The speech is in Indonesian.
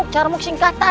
jadi disini awas